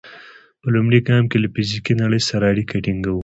په لومړي ګام کې له فزیکي نړۍ سره اړیکه ټینګوو.